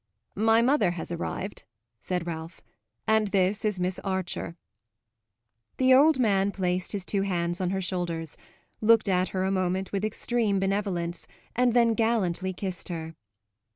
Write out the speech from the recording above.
"My mother has arrived," said Ralph, "and this is Miss Archer." The old man placed his two hands on her shoulders, looked at her a moment with extreme benevolence and then gallantly kissed her.